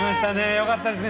よかったですね。